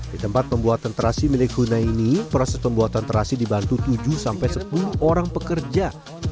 di tempat pembuatan terasi milik huna ini proses pembuatan terasi dibantu tujuh sepuluh orang pekerja